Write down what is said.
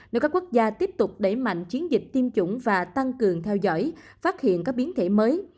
nếu các quốc gia tiếp tục đẩy mạnh chiến dịch tiêm chủng và tăng cường theo dõi phát hiện các biến thể mới